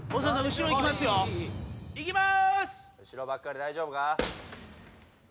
後ろばっかり大丈夫か？